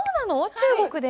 中国で？